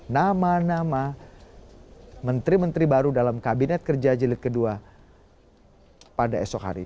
nama nama menteri menteri baru dalam kabinet kerja jelit kedua pada esok hari